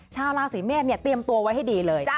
ชาวราศีเมษเตรียมตัวไว้ให้ดีเลย